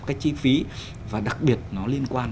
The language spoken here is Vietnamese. cái chi phí và đặc biệt nó liên quan